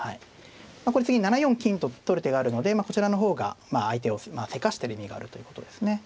これ次７四金と取る手があるのでこちらの方が相手をせかしてる意味があるということですね。